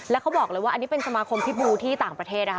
แล้วเขาบอกเลยว่าอันนี้เป็นสมาคมพิษบูที่ต่างประเทศนะคะ